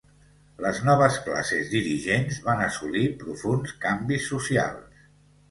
Les noves classes dirigents van assolir profunds canvis socials.